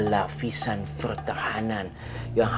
saya denkpon dari fungki pantai